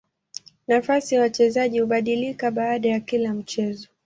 Nafasi ya wachezaji hubadilika baada ya kila mchezo.